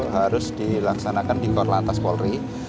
harus dilaksanakan di korlantas polri